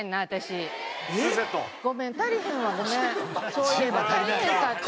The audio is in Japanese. そういえば足りへんかった。